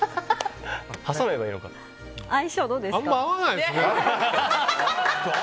相性どうですか？